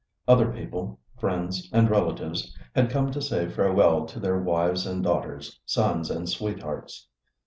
Other people—friends and relatives—had come to say farewell to their wives and daughters, sons and sweethearts.